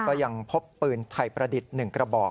ก็ยังพบปืนไทยประดิษฐ์๑กระบอก